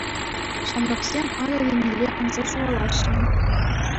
Ҫамрӑксем Атӑл еннелле анса ҫухалаҫҫӗ.